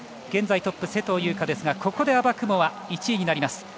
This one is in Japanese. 現在トップ、勢藤優花ですがここでアバクモワ１位になります。